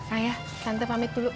ayah tante pamit dulu